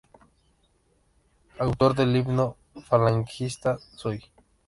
Autor del himno "Falangista soy".